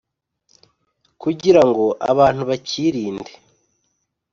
kugira ngo abantu bakirinde